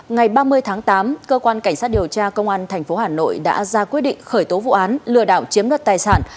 ngày ba mươi tháng tám cơ quan cảnh sát điều tra công an tp hà nội đã ra quyết định khởi tố vụ án lừa đảo chiếm đoạt tài sản